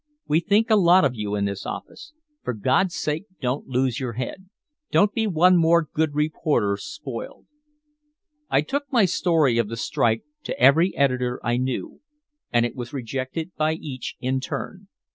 "We think a lot of you in this office. For God's sake don't lose your head. Don't be one more good reporter spoiled." I took my story of the strike to every editor I knew, and it was rejected by each in turn.